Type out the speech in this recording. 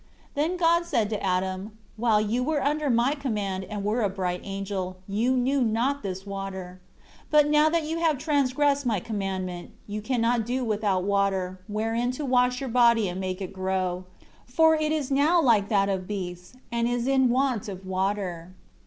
5 Then God said to Adam, "While you were under My command and were a bright angel, you knew not this water. 6 But now that you have transgressed My commandment, you can not do without water, wherein to wash your body and make it grow; for it is now like that of beasts, and is in want of water."